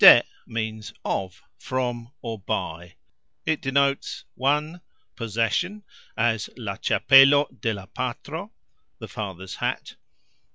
"De" means "of", "from", or "by"; it denotes (i.) "possession", as "La cxapelo de la patro", The father's hat; (ii.)